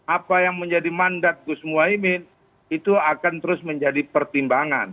apa yang menjadi mandat gus muhaymin itu akan terus menjadi pertimbangan